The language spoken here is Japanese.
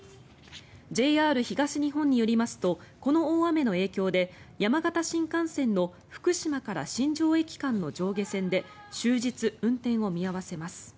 ＪＲ東日本によりますとこの大雨の影響で山形新幹線の福島から新庄駅間の上下線で終日、運転を見合わせます。